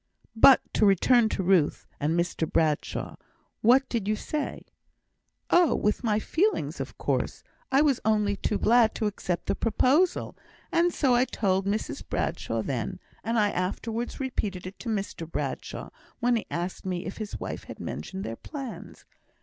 "But to return to Ruth and Mr Bradshaw. What did you say?" "Oh! with my feelings, of course, I was only too glad to accept the proposal, and so I told Mrs Bradshaw then; and I afterwards repeated it to Mr Bradshaw, when he asked me if his wife had mentioned their plans.